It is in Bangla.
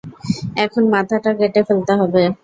এখন মাথাটা কেটে ফেলতে হবে।